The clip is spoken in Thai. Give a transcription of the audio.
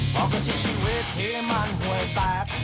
ต่อกันที่ชีวิตที่มันหวยแตก